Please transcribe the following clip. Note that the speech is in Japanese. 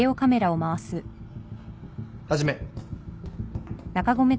始め。